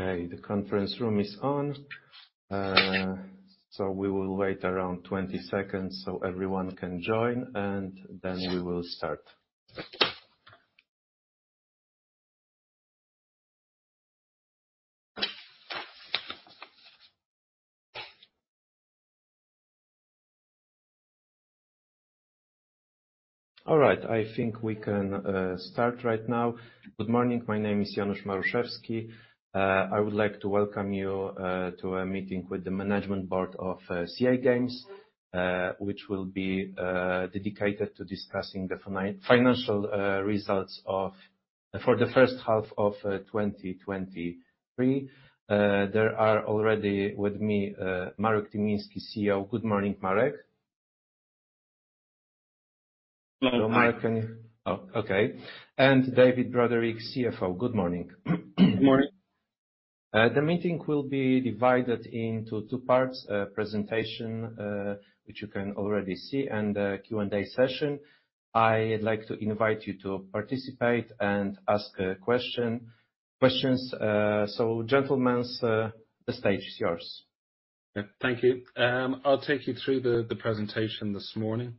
Okay, the conference room is on. So we will wait around 20 seconds so everyone can join, and then we will start. All right, I think we can start right now. Good morning. My name is Janusz Maruszewski. I would like to welcome you to a meeting with the management board of CI Games, which will be dedicated to discussing the financial results for the first half of 2023. There are already with me Marek Tymiński, CEO. Good morning, Marek. Hello. Hi. Marek, oh, okay. And David Broderick, CFO. Good morning. Good morning. The meeting will be divided into two parts: a presentation, which you can already see, and a Q&A session. I'd like to invite you to participate and ask questions. So, gentlemen, the stage is yours. Yeah. Thank you. I'll take you through the presentation this morning.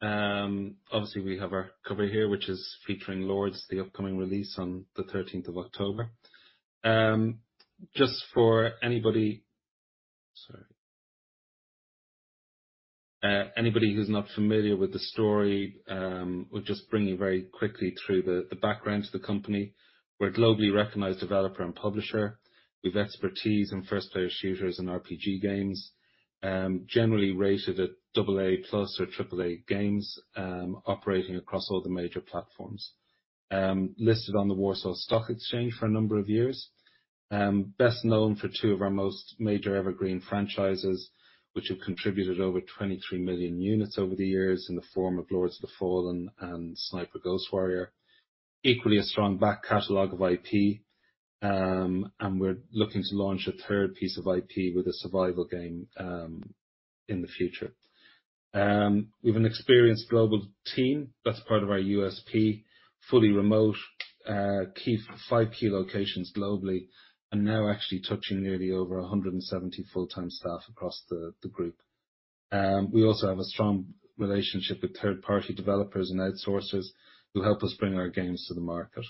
Obviously, we have our cover here, which is featuring Lords, the upcoming release on the 13th of October. Just for anybody who's not familiar with the story, we'll just bring you very quickly through the background to the company. We're a globally recognized developer and publisher with expertise in first-player shooters and RPG games. Generally rated at AA+ or AAA games, operating across all the major platforms. Listed on the Warsaw Stock Exchange for a number of years, best known for two of our most major evergreen franchises, which have contributed over 23 million units over the years in the form of Lords of the Fallen and Sniper Ghost Warrior. Equally, a strong back catalog of IP, and we're looking to launch a third piece of IP with a survival game, in the future. We have an experienced global team. That's part of our USP, fully remote, five key locations globally, and now actually touching nearly over 170 full-time staff across the group. We also have a strong relationship with third-party developers and outsourcers who help us bring our games to the market.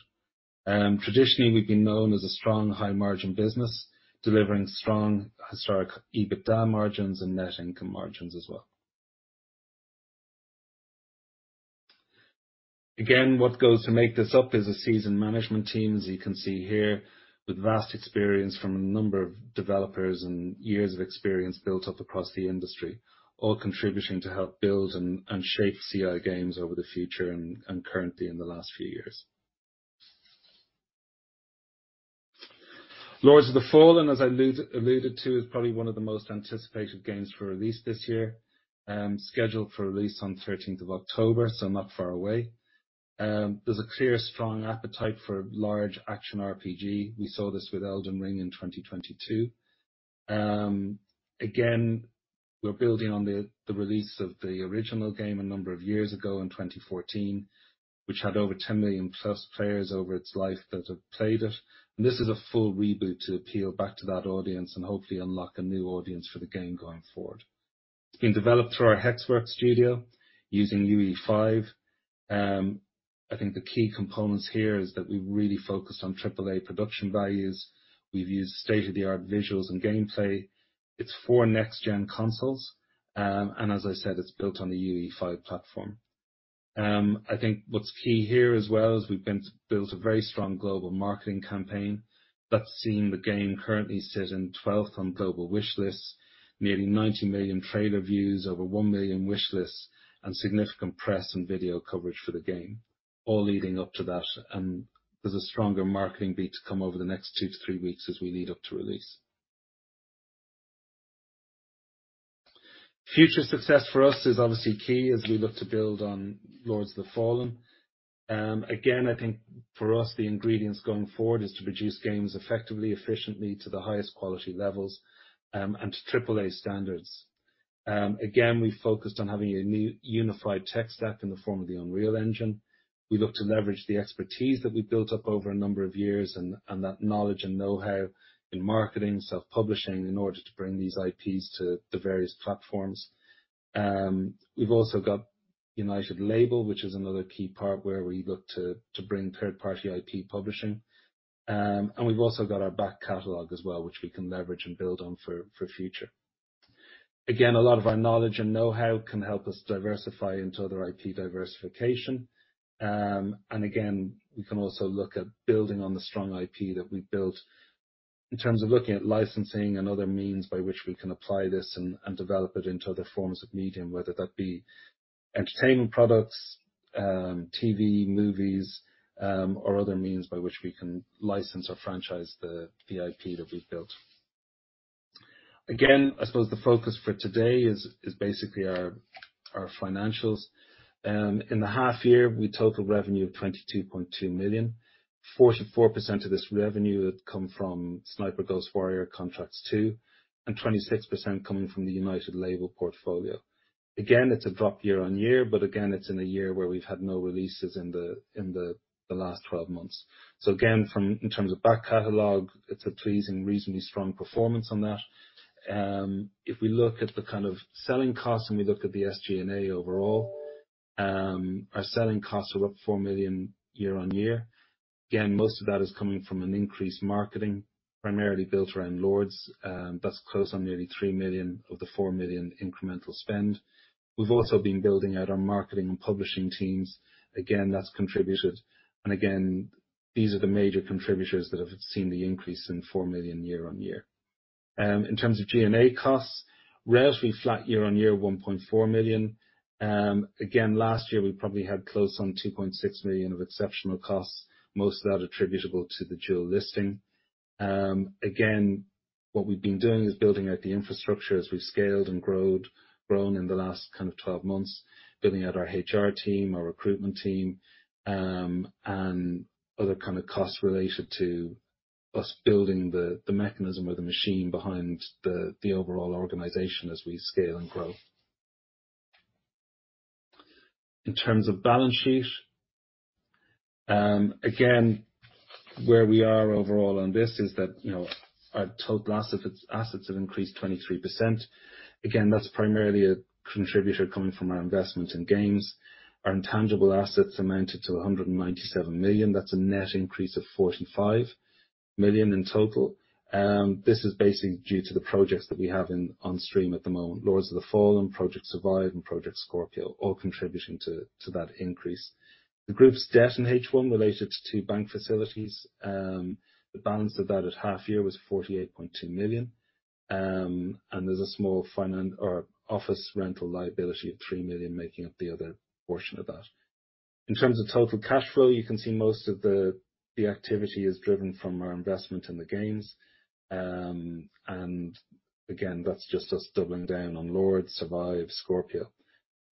Traditionally, we've been known as a strong, high margin business, delivering strong historic EBITDA margins and net income margins as well. Again, what goes to make this up is a seasoned management team, as you can see here, with vast experience from a number of developers and years of experience built up across the industry, all contributing to help build and shape CI Games over the future and currently in the last few years. Lords of the Fallen, as I alluded to, is probably one of the most anticipated games for release this year, scheduled for release on 13th of October, so not far away. There's a clear, strong appetite for large Action RPG. We saw this with Elden Ring in 2022. Again, we're building on the release of the original game a number of years ago in 2014, which had over 10 million+ players over its life that have played it. This is a full reboot to appeal back to that audience and hopefully unlock a new audience for the game going forward. It's been developed through our Hexworks studio using UE5. I think the key components here is that we've really focused on triple-A production values. We've used state-of-the-art visuals and gameplay. It's for next-gen consoles, and as I said, it's built on the UE5 platform. I think what's key here as well, is we've been to build a very strong global marketing campaign that's seen the game currently sitting 12th on global wish lists, nearly 90 million trailer views, over 1 million wish lists, and significant press and video coverage for the game, all leading up to that. And there's a stronger marketing beat to come over the next 2-3 weeks as we lead up to release. Future success for us is obviously key as we look to build on Lords of the Fallen. Again, I think for us, the ingredients going forward is to produce games effectively, efficiently, to the highest quality levels, and to AAA standards. Again, we focused on having a new unified tech stack in the form of the Unreal Engine. We look to leverage the expertise that we've built up over a number of years and that knowledge and know-how in marketing, self-publishing, in order to bring these IPs to the various platforms. We've also got United Label, which is another key part where we look to bring third-party IP publishing. And we've also got our back catalog as well, which we can leverage and build on for future. Again, a lot of our knowledge and know-how can help us diversify into other IP diversification. And again, we can also look at building on the strong IP that we've built in terms of looking at licensing and other means by which we can apply this and develop it into other forms of medium, whether that be entertainment products, TV, movies, or other means by which we can license or franchise the IP that we've built. Again, I suppose the focus for today is basically our financials. In the half year, we totaled revenue of 22.2 million. 44% of this revenue had come from Sniper Ghost Warrior Contracts 2, and 26% coming from the United Label portfolio.... Again, it's a drop year-on-year, but again, it's in a year where we've had no releases in the last 12 months. So again, in terms of back catalog, it's a pleasing, reasonably strong performance on that. If we look at the kind of selling costs and we look at the SG&A overall, our selling costs are up 4 million year-on-year. Again, most of that is coming from an increased marketing, primarily built around Lords. That's close on nearly 3 million of the 4 million incremental spend. We've also been building out our marketing and publishing teams. Again, that's contributed, and again, these are the major contributors that have seen the increase in 4 million year-on-year. In terms of G&A costs, relatively flat year-on-year, 1.4 million. Again, last year, we probably had close on 2.6 million of exceptional costs, most of that attributable to the dual listing. Again, what we've been doing is building out the infrastructure as we've scaled and grown in the last kind of 12 months, building out our HR team, our recruitment team, and other kind of costs related to us building the, the mechanism or the machine behind the, the overall organization as we scale and grow. In terms of balance sheet, again, where we are overall on this is that, you know, our total assets, assets have increased 23%. Again, that's primarily a contributor coming from our investments in games. Our intangible assets amounted to 197 million. That's a net increase of 45 million in total. This is basically due to the projects that we have on stream at the moment, Lords of the Fallen, Project Survive, and Project Scorpio, all contributing to that increase. The group's debt in H1 related to two bank facilities. The balance of that at half year was 48.2 million, and there's a small finance or office rental liability of 3 million, making up the other portion of that. In terms of total cash flow, you can see most of the activity is driven from our investment in the games. And again, that's just us doubling down on Lords, Survive, Scorpio,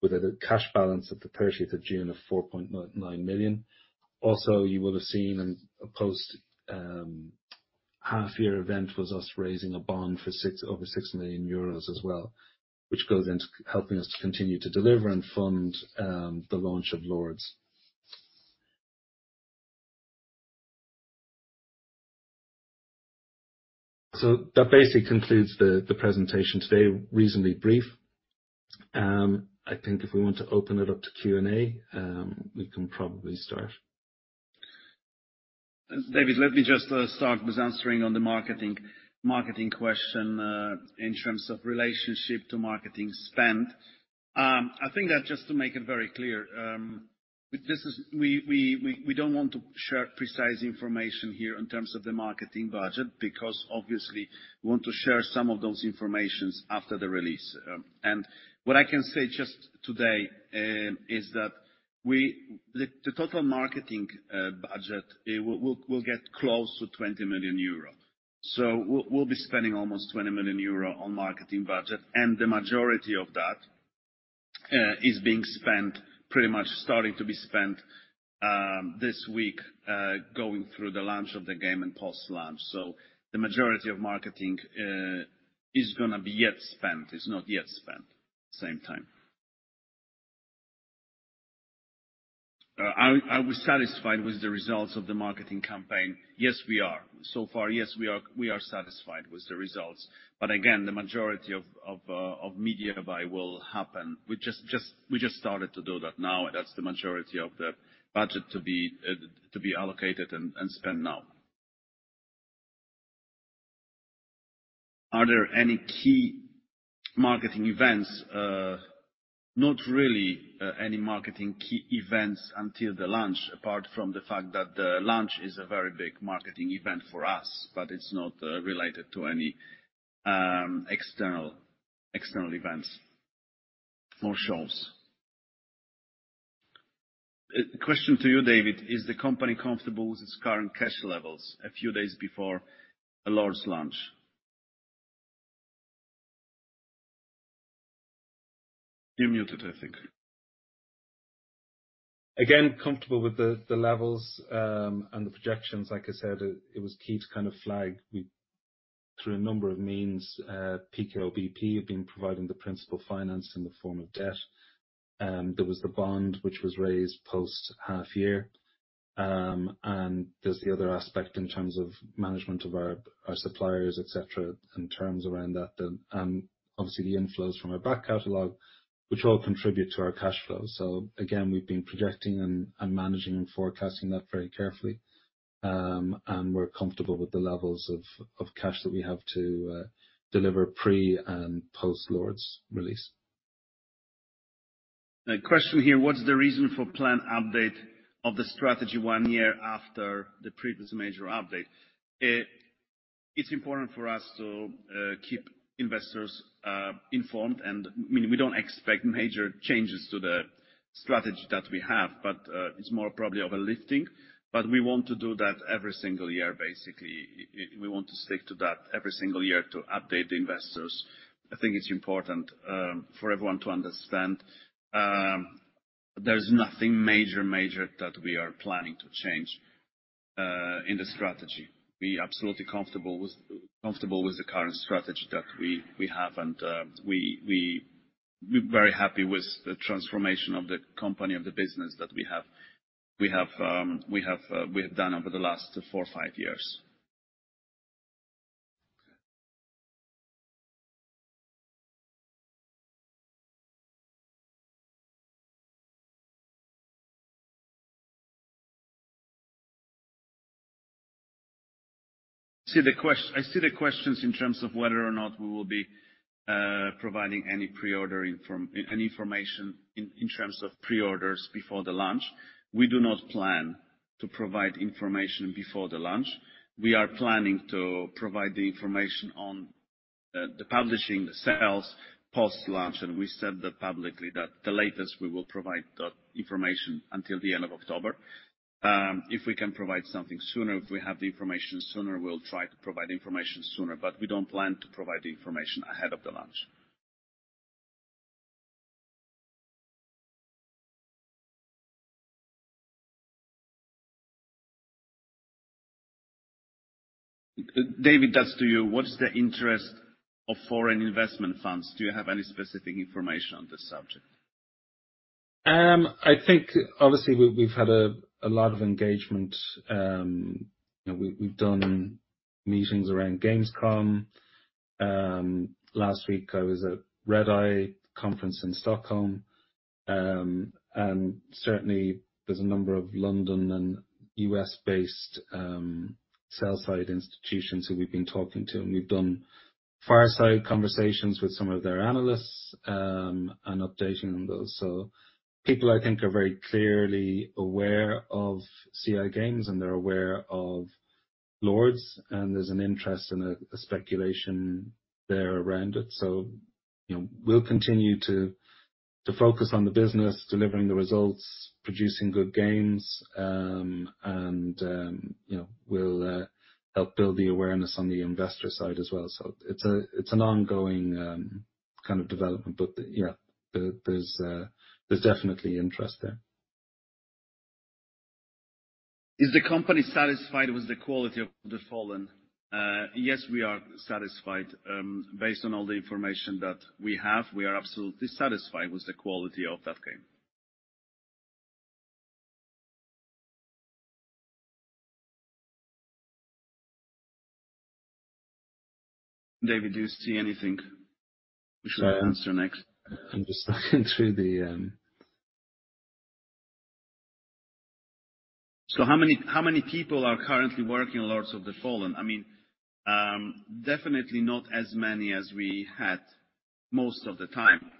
with a cash balance at the 30th of June of 4.9 million. Also, you will have seen in a post half year event, was us raising a bond for over 6 million euros as well, which goes into helping us to continue to deliver and fund the launch of Lords. So that basically concludes the presentation today, reasonably brief. I think if we want to open it up to Q&A, we can probably start. David, let me just start with answering on the marketing, marketing question, in terms of relationship to marketing spend. I think that just to make it very clear, this is... We don't want to share precise information here in terms of the marketing budget, because obviously, we want to share some of those informations after the release. And what I can say just today, is that the total marketing budget, it will get close to 20 million euro. So we'll be spending almost 20 million euro on marketing budget, and the majority of that is being spent, pretty much starting to be spent this week, going through the launch of the game and post-launch. So the majority of marketing is gonna be yet spent, is not yet spent, same time. Are we satisfied with the results of the marketing campaign? Yes, we are. So far, yes, we are satisfied with the results, but again, the majority of media buy will happen. We just started to do that now, and that's the majority of the budget to be allocated and spent now. Are there any key marketing events? Not really, any marketing key events until the launch, apart from the fact that the launch is a very big marketing event for us, but it's not related to any external events or shows. A question to you, David: Is the company comfortable with its current cash levels a few days before the Lords launch? You're muted, I think. Again, comfortable with the levels and the projections. Like I said, it was key to kind of flag we through a number of means, PKO BP, have been providing the principal finance in the form of debt. There was the bond, which was raised post half year. And there's the other aspect in terms of management of our suppliers, et cetera, in terms around that. Obviously, the inflows from our back catalog, which all contribute to our cash flows. So again, we've been projecting and managing and forecasting that very carefully. And we're comfortable with the levels of cash that we have to deliver pre and post-Lords release. A question here: What's the reason for plan update of the strategy one year after the previous major update? It's important for us to keep investors informed, and, I mean, we don't expect major changes to the strategy that we have, but it's more probably of a lifting, but we want to do that every single year, basically. We want to stick to that every single year to update the investors. I think it's important for everyone to understand... There's nothing major that we are planning to change in the strategy. We're absolutely comfortable with the current strategy that we have, and we're very happy with the transformation of the company, of the business that we have done over the last four or five years. I see the questions in terms of whether or not we will be providing any information in terms of pre-orders before the launch. We do not plan to provide information before the launch. We are planning to provide the information on the publishing, the sales, post-launch, and we said that publicly, that the latest we will provide that information until the end of October. If we can provide something sooner, if we have the information sooner, we'll try to provide the information sooner, but we don't plan to provide the information ahead of the launch. David, that's to you. What's the interest of foreign investment funds? Do you have any specific information on this subject? I think obviously, we've had a lot of engagement, you know, we've done meetings around Gamescom. Last week I was at Redeye Conference in Stockholm, and certainly there's a number of London and U.S.-based sell-side institutions who we've been talking to, and we've done fireside conversations with some of their analysts, and updating on those. So people, I think, are very clearly aware of CI Games, and they're aware of Lords, and there's an interest and a speculation there around it. So, you know, we'll continue to focus on the business, delivering the results, producing good games, and, you know, we'll help build the awareness on the investor side as well. So it's a, it's an ongoing kind of development. But, yeah, there's definitely interest there. Is the company satisfied with the quality of the Fallen? Yes, we are satisfied. Based on all the information that we have, we are absolutely satisfied with the quality of that game. David, do you see anything we should answer next? I'm just looking through the So how many, how many people are currently working on Lords of the Fallen? I mean, definitely not as many as we had most of the time.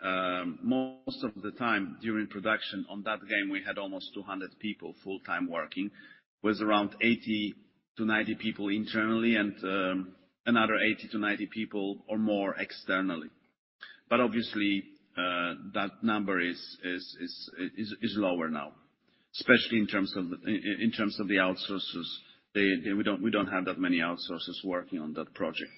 Most of the time during production on that game, we had almost 200 people full-time working, with around 80-90 people internally and, another 80-90 people or more externally. But obviously, that number is lower now, especially in terms of the, in, in terms of the outsources. We don't, we don't have that many outsources working on that project.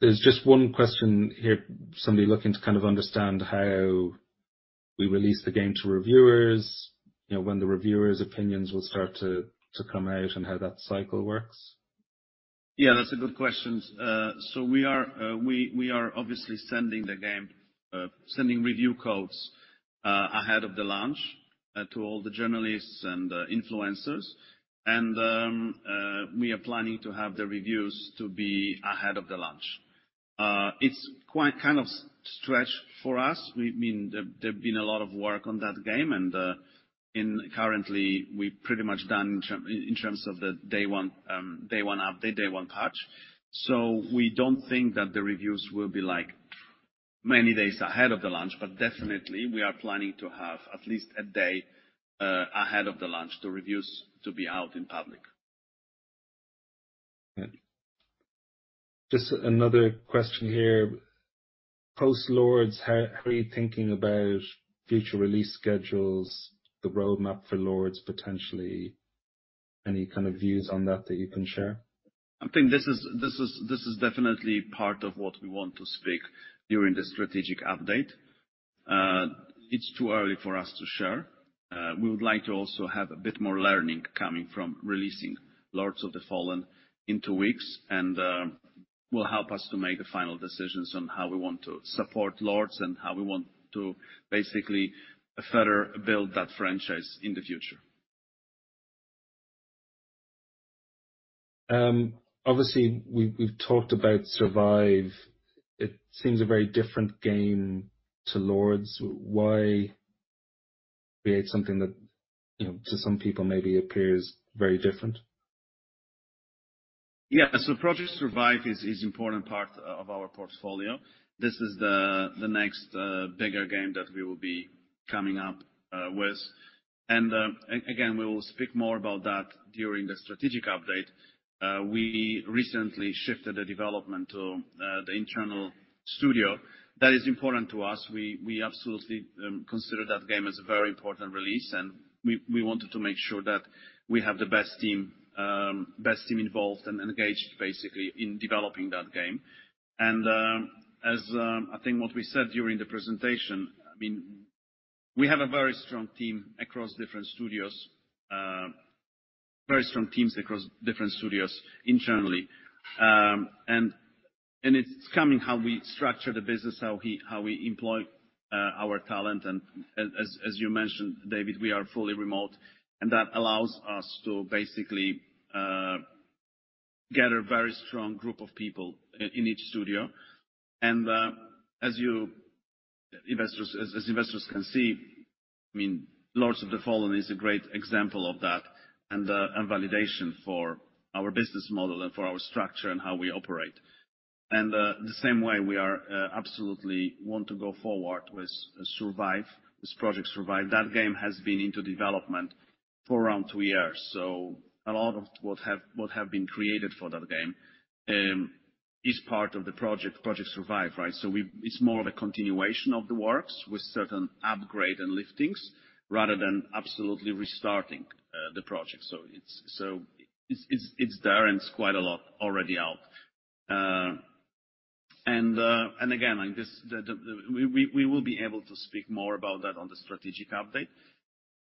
There's just one question here. Somebody looking to kind of understand how we release the game to reviewers, you know, when the reviewers' opinions will start to come out, and how that cycle works. Yeah, that's a good question. So we are, we are obviously sending the game, sending review codes, ahead of the launch, to all the journalists and, influencers. And we are planning to have the reviews to be ahead of the launch. It's quite kind of stretch for us. I mean, there, there's been a lot of work on that game, and currently, we've pretty much done in terms of the day one, day one update, day one patch. So we don't think that the reviews will be like many days ahead of the launch, but definitely we are planning to have at least a day ahead of the launch, the reviews to be out in public. Just another question here: post Lords, how are you thinking about future release schedules, the roadmap for Lords, potentially? Any kind of views on that you can share? I think this is definitely part of what we want to speak during the strategic update. It's too early for us to share. We would like to also have a bit more learning coming from releasing Lords of the Fallen in two weeks, and will help us to make the final decisions on how we want to support Lords and how we want to basically further build that franchise in the future. Obviously, we've talked about Survive. It seems a very different game to Lords. Why create something that, you know, to some people maybe appears very different? Yeah. So Project Survive is important part of our portfolio. This is the next bigger game that we will be coming up with. And again, we will speak more about that during the strategic update. We recently shifted the development to the internal studio. That is important to us. We absolutely consider that game as a very important release, and we wanted to make sure that we have the best team involved and engaged, basically, in developing that game. And as I think what we said during the presentation, I mean, we have a very strong team across different studios. Very strong teams across different studios internally. And it's coming how we structure the business, how we employ our talent, and as you mentioned, David, we are fully remote, and that allows us to basically get a very strong group of people in each studio. And as investors can see, I mean, Lords of the Fallen is a great example of that, and validation for our business model and for our structure and how we operate. And the same way we are absolutely want to go forward with Survive, this project Survive. That game has been into development for around two years, so a lot of what have been created for that game is part of the project, Project Survive, right? So it's more of a continuation of the works with certain upgrade and liftings, rather than absolutely restarting the project. So it's there, and it's quite a lot already out. And again, like this, we will be able to speak more about that on the strategic update.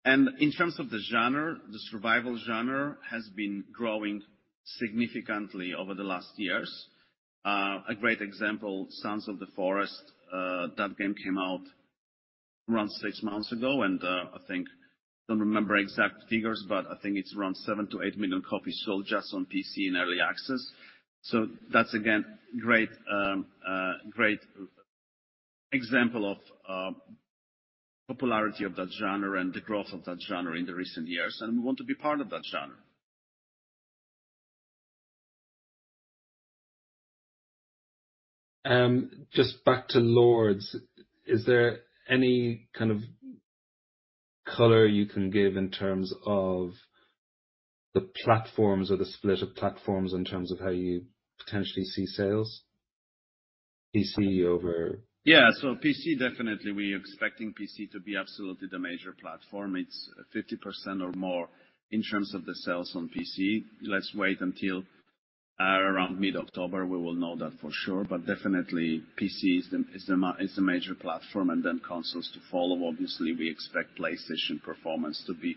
And in terms of the genre, the survival genre has been growing significantly over the last years. A great example, Sons of the Forest. That game came out around six months ago, and I think... Don't remember exact figures, but I think it's around 7-8 million copies sold just on PC in early access. So that's, again, great, great example of popularity of that genre and the growth of that genre in the recent years, and we want to be part of that genre. Just back to Lords, is there any kind of color you can give in terms of the platforms or the split of platforms, in terms of how you potentially see sales? PC over- Yeah, so PC, definitely, we're expecting PC to be absolutely the major platform. It's 50% or more in terms of the sales on PC. Let's wait until around mid-October, we will know that for sure, but definitely PC is the major platform, and then consoles to follow. Obviously, we expect PlayStation performance to be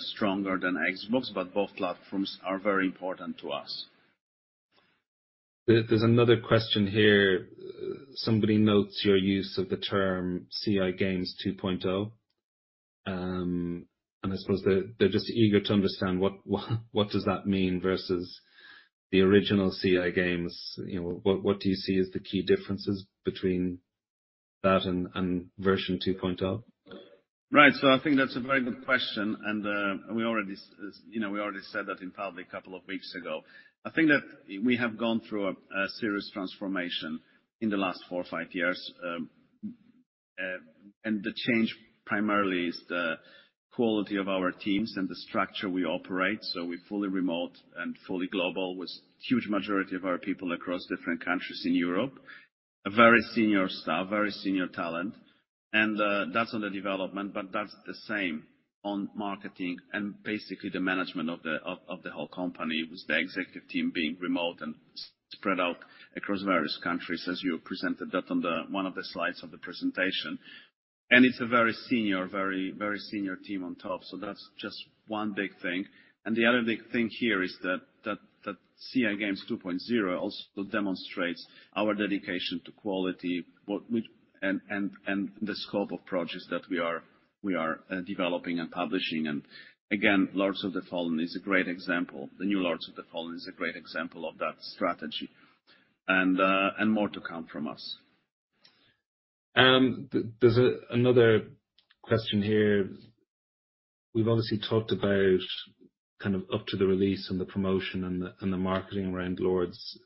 stronger than Xbox, but both platforms are very important to us. There, there's another question here. Somebody notes your use of the term CI Games 2.0, and I suppose they're just eager to understand what that means versus the original CI Games? You know, what do you see as the key differences between that and version 2.0? Right. So I think that's a very good question, and, as you know, we already said that in probably a couple of weeks ago. I think that we have gone through a serious transformation in the last four or five years, and the change, primarily, is the quality of our teams and the structure we operate. So we're fully remote and fully global, with huge majority of our people across different countries in Europe. A very senior staff, very senior talent, and that's on the development, but that's the same on marketing and basically the management of the whole company, with the executive team being remote and spread out across various countries, as you presented that on one of the slides of the presentation. It's a very senior, very, very senior team on top, so that's just one big thing. The other big thing here is that CI Games 2.0 also demonstrates our dedication to quality and the scope of projects that we are developing and publishing. Again, Lords of the Fallen is a great example. The new Lords of the Fallen is a great example of that strategy, and more to come from us. There, there's another question here. We've obviously talked about kind of up to the release and the promotion and the marketing around Lords.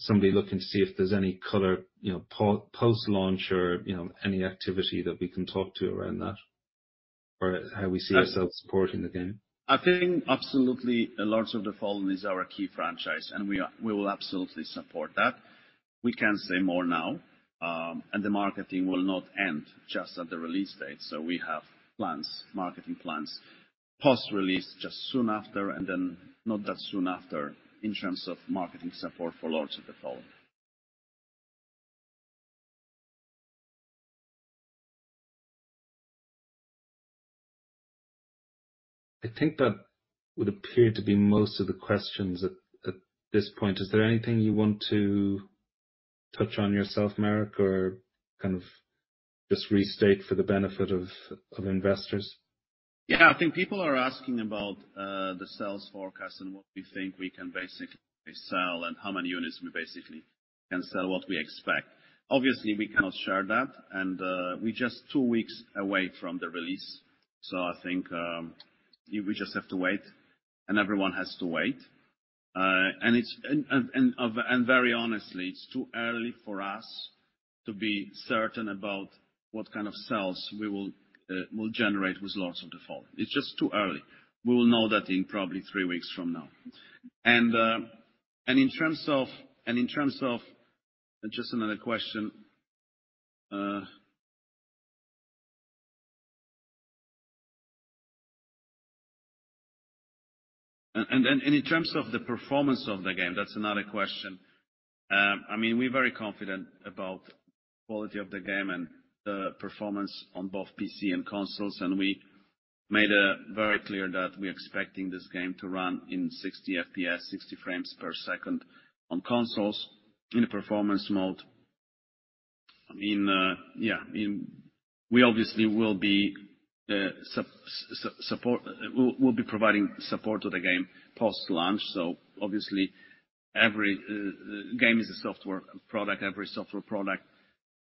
Somebody looking to see if there's any color, you know, post-launch or, you know, any activity that we can talk to around that, or how we see ourselves supporting the game. I think absolutely, Lords of the Fallen is our key franchise, and we will absolutely support that. We can't say more now, and the marketing will not end just at the release date, so we have plans, marketing plans, post-release, just soon after, and then not that soon after, in terms of marketing support for Lords of the Fallen. I think that would appear to be most of the questions at this point. Is there anything you want to touch on yourself, Marek, or kind of just restate for the benefit of investors? Yeah. I think people are asking about the sales forecast and what we think we can basically sell, and how many units we basically can sell, what we expect. Obviously, we cannot share that, and we're just two weeks away from the release, so I think we just have to wait, and everyone has to wait. And it's and very honestly, it's too early for us to be certain about what kind of sales we will will generate with Lords of the Fallen. It's just too early. We will know that in probably three weeks from now. And in terms of... Just another question. And in terms of the performance of the game, that's another question. I mean, we're very confident about quality of the game and the performance on both PC and consoles, and we made it very clear that we're expecting this game to run in 60 FPS, 60 frames per second, on consoles in a performance mode. I mean, yeah, I mean, we obviously will be providing support to the game post-launch. So obviously, every game is a software product. Every software product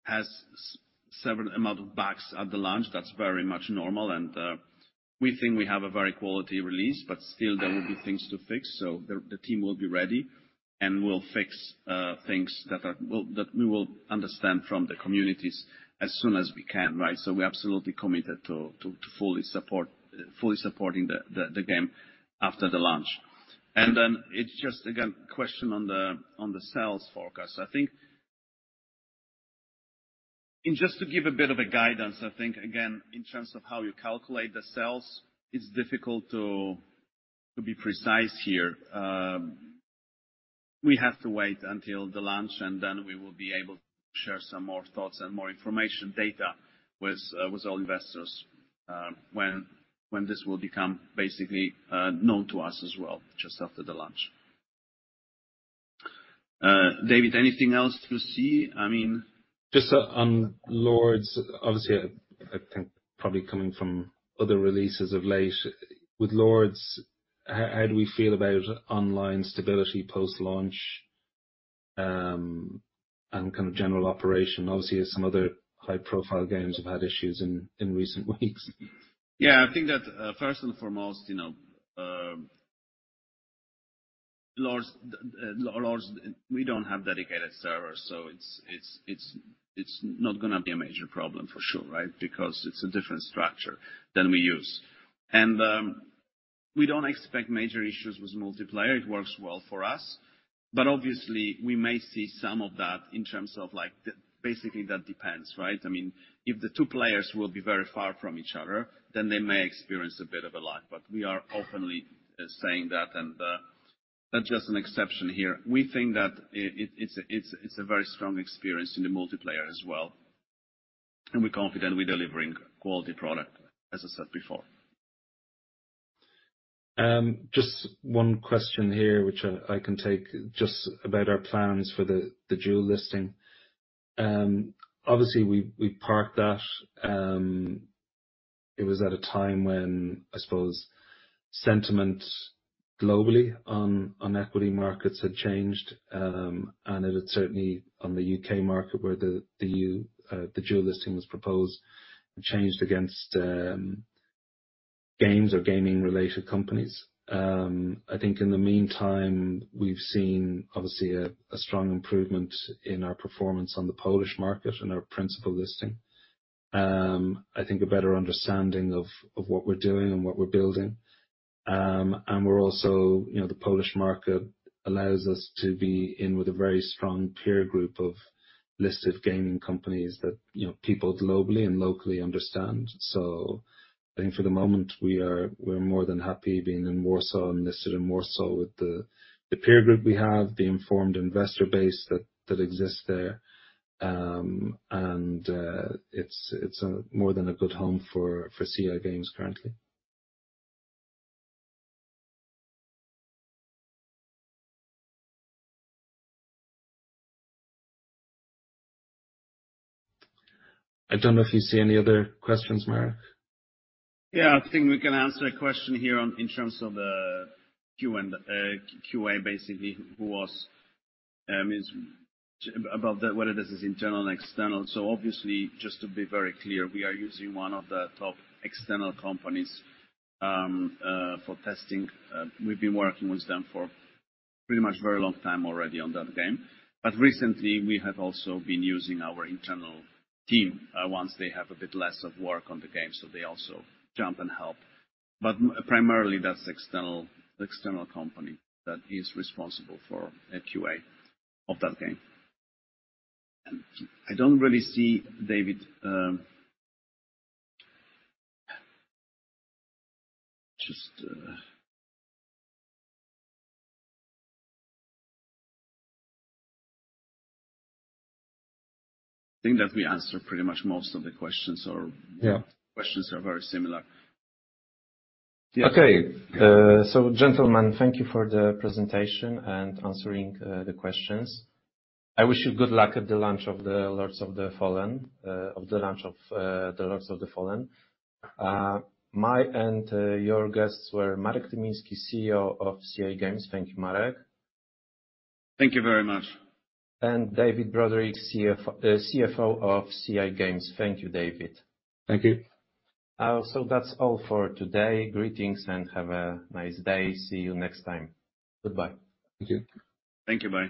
has certain amount of bugs at the launch. That's very much normal, and we think we have a very quality release, but still there will be things to fix. So the team will be ready, and we'll fix things that we will understand from the communities as soon as we can, right? So we're absolutely committed to fully supporting the game after the launch. And then it's just again a question on the sales forecast. I think, and just to give a bit of guidance, I think again, in terms of how you calculate the sales, it's difficult to be precise here. We have to wait until the launch, and then we will be able to share some more thoughts and more information data with our investors, when this will become basically known to us as well, just after the launch. David, anything else you see? I mean- Just on Lords, obviously, I think probably coming from other releases of late. With Lords, how do we feel about online stability post-launch, and kind of general operation? Obviously, some other high-profile games have had issues in recent weeks. Yeah, I think that, first and foremost, you know, Lords, we don't have dedicated servers, so it's not gonna be a major problem, for sure, right? Because it's a different structure than we use. And, we don't expect major issues with multiplayer. It works well for us. But obviously, we may see some of that in terms of, like, basically, that depends, right? I mean, if the two players will be very far from each other, then they may experience a bit of a lag. But we are openly saying that, and, that's just an exception here. We think that it's a very strong experience in the multiplayer as well, and we're confident we're delivering quality product, as I said before. Just one question here, which I can take, just about our plans for the dual listing. Obviously, we parked that. It was at a time when, I suppose, sentiment globally on equity markets had changed, and it had certainly on the U.K. market, where the dual listing was proposed, changed against games or gaming-related companies. I think in the meantime, we've seen, obviously, a strong improvement in our performance on the Polish market and our principal listing. I think a better understanding of what we're doing and what we're building. And we're also... You know, the Polish market allows us to be in with a very strong peer group of listed gaming companies that, you know, people globally and locally understand. So I think for the moment, we're more than happy being in Warsaw and listed in Warsaw with the peer group we have, the informed investor base that exists there. And it's a more than a good home for CI Games currently. I don't know if you see any other questions, Marek. Yeah, I think we can answer a question here on, in terms of the Q&A, basically, about whether this is internal and external. So obviously, just to be very clear, we are using one of the top external companies for testing. We've been working with them for pretty much very long time already on that game. But recently, we have also been using our internal team, once they have a bit less of work on the game, so they also jump and help. But primarily, that's external, the external company that is responsible for the QA of that game. I don't really see, David... Just, I think that we answered pretty much most of the questions or- Yeah. Questions are very similar. Okay. So gentlemen, thank you for the presentation and answering the questions. I wish you good luck at the launch of the Lords of the Fallen. My and your guests were Marek Tymiński, CEO of CI Games. Thank you, Marek. Thank you very much. David Broderick, CFO of CI Games. Thank you, David. Thank you. That's all for today. Greetings, and have a nice day. See you next time. Goodbye. Thank you. Thank you. Bye.